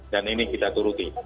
dan ini kita turuti